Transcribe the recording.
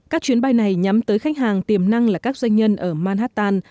các chuyến bay này nhắm tới khách hàng tiềm năng là các doanh nhân ở manhattan